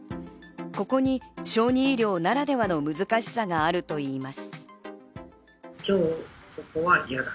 ここに小児医療ならではの難しさがあるといいます。